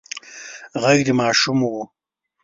غږ د ماشوم و.